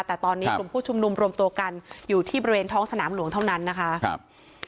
แต่ตอนนี้กลุ่มผู้ชุมนุมรวมตัวกันอยู่ที่บริเวณท้องสนามหลวงเท่านั้นนะคะครับ